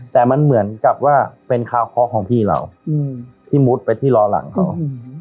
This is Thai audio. แต่มันเหมือนกับว่าเป็นคาวเคาะของพี่เราที่มุดไปที่รอหลังเขา